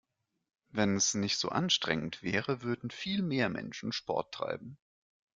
Wenn es nicht so anstrengend wäre, würden viel mehr Menschen Sport treiben.